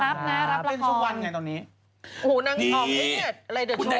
โอ้โหนักขอบพิเศษอะไรเดี๋ยวโชว์เก่งมาก